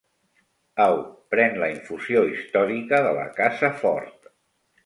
Au, pren la infusió històrica de la casa Ford.